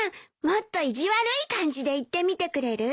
もっと意地悪い感じで言ってみてくれる？